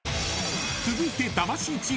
［続いて］